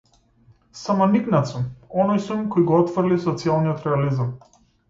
Самоникнат сум, оној сум кој го отфрли социјалниот реализам.